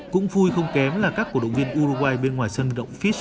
cũng vui không kém là các cổ động viên uruguay bên ngoài sân động fish ở sochi